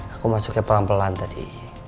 aku masuknya pelan pelan tadi